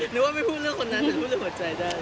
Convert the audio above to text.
นึกว่าไม่พูดเรื่องคนนั้นหรือพูดเรื่องหัวใจได้